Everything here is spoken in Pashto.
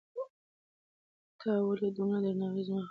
تا ولې په دومره درناوي زما خبرې واورېدې؟